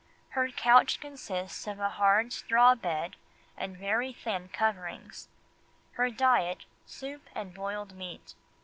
Her couch consists of a hard straw bed and very thin coverings; her diet, soup and boiled meat."